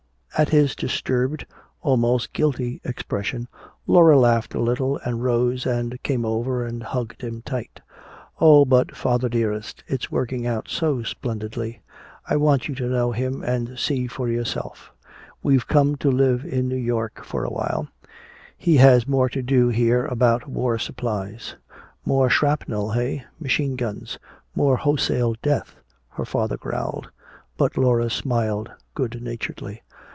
At his disturbed, almost guilty expression Laura laughed a little and rose and came over and hugged him tight. "Oh, but, father dearest it's working out so splendidly! I want you to know him and see for yourself! We've come to live in New York for a while he has more to do here about war supplies." "More shrapnel, eh, machine guns. More wholesale death," her father growled. But Laura smiled good naturedly.